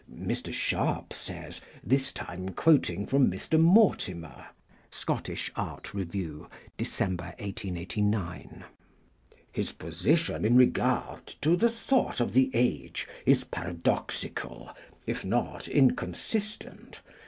Mr. Sharp says, this time quoting from Mr. Mortimer ('Scottish Art Review', December 1889): 'His position in regard to the thought of the age is paradoxical, if not inconsistent.